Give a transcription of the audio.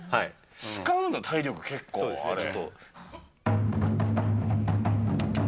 使うの体力、結構、あれ。